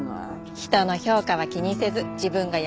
人の評価は気にせず自分がやりたい事をやる。